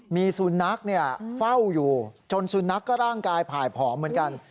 มีสุนัขเฝ้าอยู่จนสุนัขก็ร่างกายผ่ายผอมเหมือนกัน